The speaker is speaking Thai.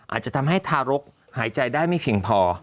อาจจะทำให้ทารกหายใจได้ไม่เพียงพอ